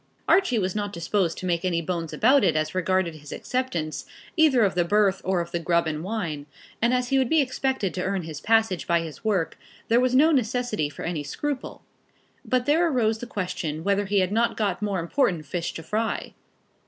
Archie was not disposed to make any bones about it as regarded his acceptance either of the berth or of the grub and wine, and as he would be expected to earn his passage by his work, there was no necessity for any scruple; but there arose the question whether he had not got more important fish to fry.